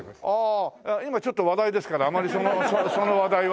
あ今ちょっと話題ですからあまりその話題はね。